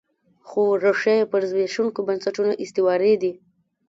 خو ریښې یې پر زبېښونکو بنسټونو استوارې دي.